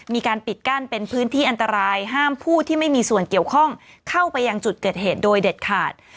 มีการปิดกั้นเป็นพื้นที่อันตรายห้ามผู้ที่ไม่มีส่วนเกี่ยวข้องเข้าไปยังจุดเกิดเหตุโดยเด็ดขาด